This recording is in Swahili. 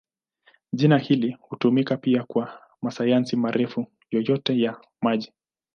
Jina hili hutumika pia kwa manyasi marefu yoyote ya maji.